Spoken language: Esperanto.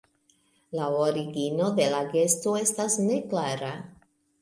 La origino de la gesto estas neklara.